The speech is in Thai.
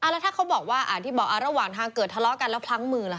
แล้วถ้าเขาบอกว่าที่บอกระหว่างทางเกิดทะเลาะกันแล้วพลั้งมือล่ะค